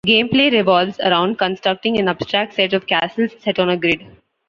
Game play revolves around constructing an abstract set of castles set on a grid.